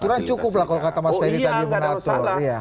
aturan cukup lah kalau kata mas ferry tadi mengatur